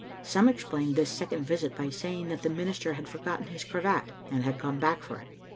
Some explained this second visit by saying that the minister had forgotten his cravat, and had gone back for it.